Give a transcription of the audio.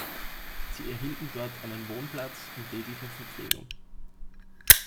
Sie erhielten dort einen Wohnplatz und tägliche Verpflegung.